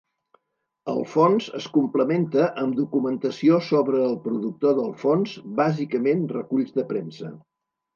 El fons es complementa amb documentació sobre el productor del fons, bàsicament reculls de premsa.